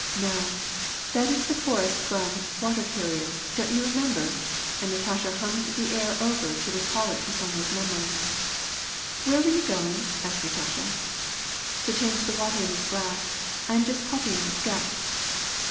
— No ! that is the chorus from the * Water Car rier,' * don't you remember ?" And Natasha hummed the air over to recall it to Sonya's memory. '^ Where were you going ?" asked Natasha. '^ To change the water in this glass. I am just copying a sketch."